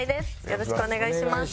よろしくお願いします。